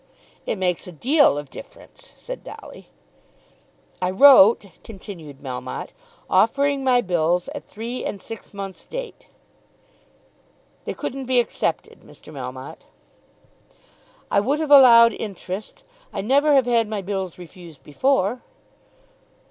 "It makes a deal of difference," said Dolly. "I wrote," continued Melmotte, "offering my bills at three and six months' date." "They couldn't be accepted, Mr. Melmotte." "I would have allowed interest. I never have had my bills refused before."